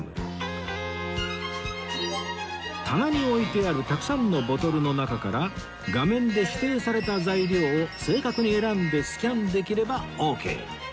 棚に置いてあるたくさんのボトルの中から画面で指定された材料を正確に選んでスキャンできればオーケー